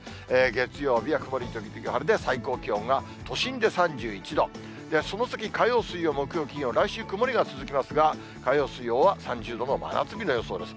月曜日は曇り時々晴れで、最高気温が都心で３１度、その先、火曜、水曜、木曜、金曜、来週、曇りが続きますが、火曜、水曜は３０度の真夏日の予想です。